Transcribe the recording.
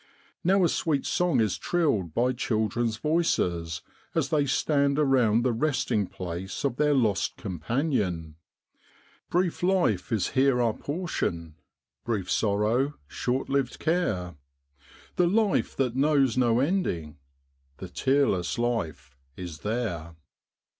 Now a sweet song is trilled by child ren's voices as they stand around the resting place of their lost companion ' Brief life is here our portion, Brief sorrow, short lived care ; The life that knows no ending, The tearless life, is there.'